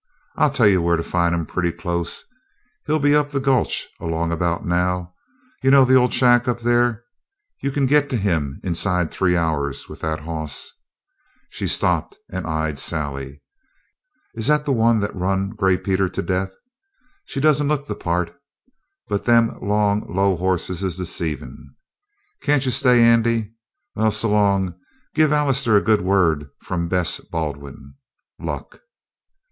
I'll tell you where to find him pretty close. He'll be up the gulch along about now. You know the old shack up there? You can get to him inside three hours with that hoss." She stopped and eyed Sally. "Is that the one that run Gray Peter to death? She don't look the part, but them long, low hosses is deceivin'. Can't you stay, Andy? Well, s'long. And give Allister a good word from Bess Baldwin. Luck!"